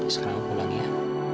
sekarang aku pulang ya